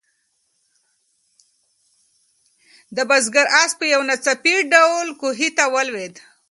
د بزګر آس په یو ناڅاپي ډول کوهي ته ولوېد.